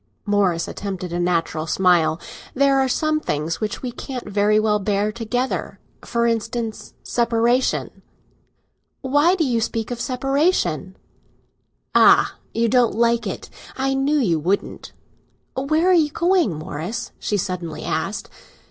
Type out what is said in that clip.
Morris attempted a natural smile. "There are some things which we can't very well bear together—for instance, separation." "Why do you speak of separation?" "Ah! you don't like it; I knew you wouldn't!" "Where are you going, Morris?" she suddenly asked.